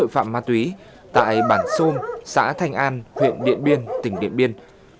phạm ma túy tại bản xôn xã thanh an huyện điện biên tỉnh điện biên